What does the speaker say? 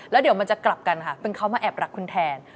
แล้วเดี๋ยวมันจะกลับกันค่ะเป็นเขามาแอบรักคุณแทน